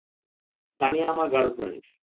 তানিয়া আমার গার্লফ্রেন্ড।